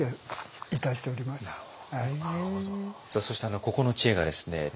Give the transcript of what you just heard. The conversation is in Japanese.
そしてここの知恵がですね